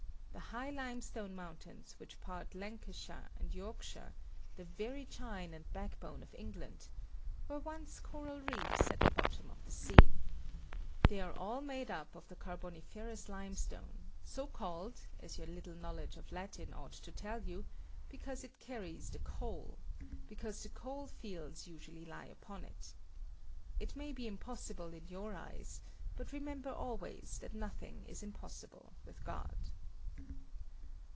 The high limestone mountains which part Lancashire and Yorkshire the very chine and backbone of England were once coral reefs at the bottom of the sea. They are all made up of the carboniferous limestone, so called, as your little knowledge of Latin ought to tell you, because it carries the coal; because the coalfields usually lie upon it. It may be impossible in your eyes: but remember always that nothing is impossible with God.